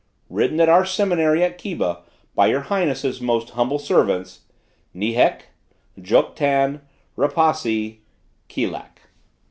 Written at our Seminary at Keba by your Highness' most humble servants. NEHEK, JOKTAN, RAPASI, KILAK."